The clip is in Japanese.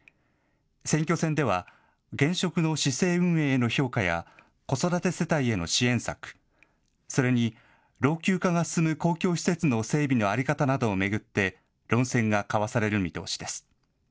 選挙戦では現職の市政運営への評価や子育て世帯への支援策、それに老朽化が進む公共施設の整備の在り方などを巡って論戦が交わされる見通しです。